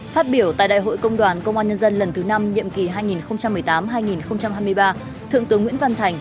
phát biểu tại đại hội công đoàn công an nhân dân lần thứ năm nhiệm kỳ hai nghìn một mươi tám hai nghìn hai mươi ba thượng tướng nguyễn văn thành